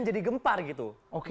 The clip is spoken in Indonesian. jadi gempar gitu